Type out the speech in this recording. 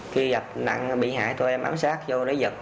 khi gặp nạn bị hại chúng tôi ám sát vô để giật